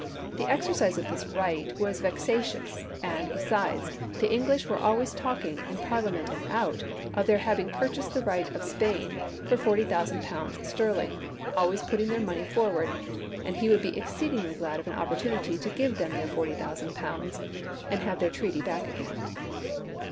The exercise of this right was vexatious, and, besides, the English were always talking, in Parliament and out, of their having purchased the right of Spain for £40,000 sterling, always putting their money forward; and he would be exceedingly glad of an opportunity to give them their £40,000 and have their treaty back again."